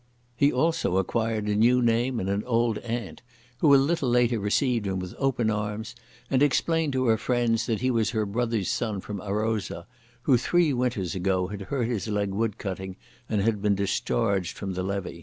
He also acquired a new name and an old aunt, who a little later received him with open arms and explained to her friends that he was her brother's son from Arosa who three winters ago had hurt his leg wood cutting and had been discharged from the levy.